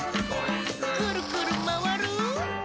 「くるくるまわる！」